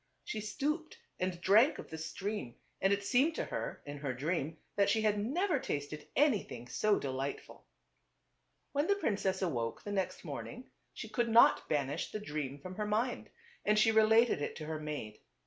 She stooped and drank of the stream and it seemed to her, in her dream, that she had never tasted anything so delightful. When the princess awoke the next morning she could not banish the dream from her mind, and she related it to her maid.